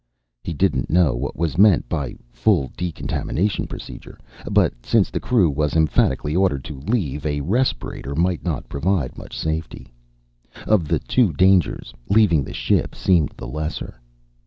_ He didn't know what was meant by full decontamination procedure. But since the crew was emphatically ordered to leave, a respirator might not provide much safety. Of the two dangers, leaving the ship seemed the lesser.